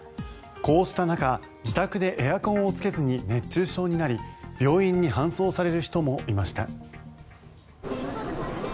こうした中、自宅でエアコンをつけずに熱中症になり病院に搬送される人もいました。